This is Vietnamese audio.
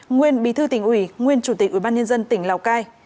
nguyên bí thư tỉnh ủy nguyên chủ tịch ủy ban nhân dân tỉnh lào cai